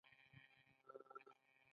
څونه ښایسته کالي يې اغوستي دي.